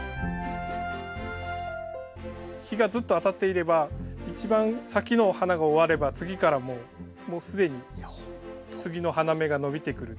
日がずっと当たっていれば一番先の花が終われば次からもう既に次の花芽が伸びてくる。